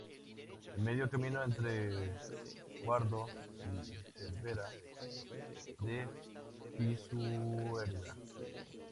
A medio camino entre Guardo y Cervera de Pisuerga.